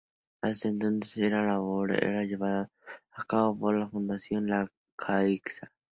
Hasta entonces, esta labor era llevada a cabo por la Fundación "la Caixa".